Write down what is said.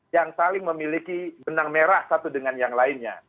yang saling memiliki benang merah satu dengan yang lainnya